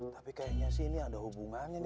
tapi kayaknya sih ini ada hubungannya nih